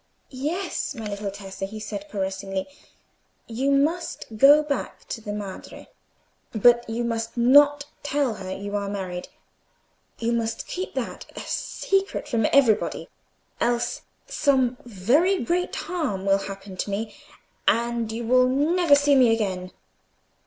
"Yes, my little Tessa," he said, caressingly, "you must go back to the Madre; but you must not tell her you are married—you must keep that a secret from everybody; else some very great harm would happen to me, and you would never see me again."